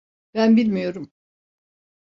Ben bilmiyorum.